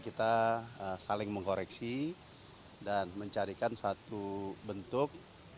kita saling mengkoreksi dan mencarikan satu bentuk